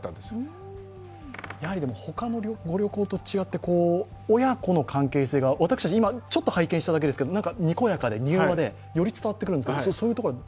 他のご旅行と違って親子の関係性が、私たちちょっと拝見しただけですけど、にこやかで柔和でより伝わってくるんですけど。